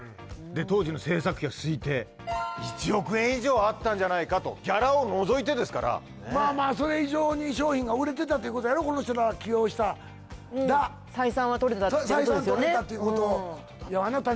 当時の制作費は推定１億円以上はあったんじゃないかとギャラを除いてですからまあまあそれ以上に商品が売れてたということやろこの人らを起用したなっ採算は取れてたってことですよね